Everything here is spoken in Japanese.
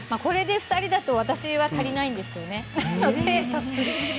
これで２人だと私は足りないんですよね。